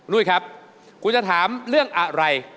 นุ่ยครับคุณจะถามเรื่องอะไร